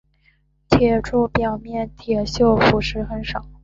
铁柱表面铁锈腐蚀很少。